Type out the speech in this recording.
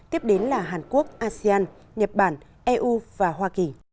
tiếp đến là hàn quốc asean nhật bản eu và hoa kỳ